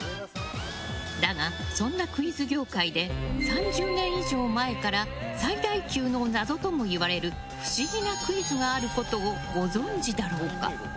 だが、そんなクイズ業界で３０年以上前から最大級の謎ともいわれる不思議なクイズがあることをご存じだろうか。